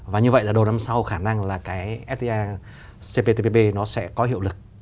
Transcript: và như vậy là đầu năm sau khả năng là cái fta cptpp nó sẽ có hiệu lực